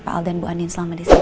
pak aldan bu anin selama di sini